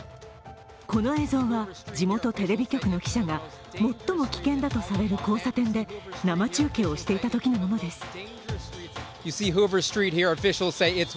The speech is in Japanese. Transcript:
この映像は、地元テレビ局の記者が最も危険だとされる交差点で生中継をしていたときのものです。